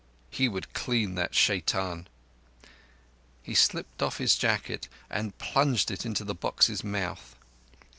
He would clean that shaitan. He slipped off his jacket, and plunged it into the box's mouth.